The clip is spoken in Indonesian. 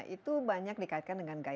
itu banyak dikaitkan dengan gaya